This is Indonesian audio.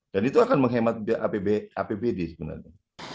dan itu akan menghemat apbd sebenarnya